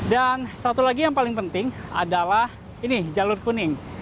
dan satu lagi yang paling penting adalah ini jalur kuning